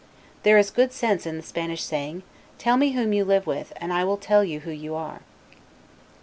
There is good sense in the Spanish saying, "Tell me whom you live with, and I will tell you who you are."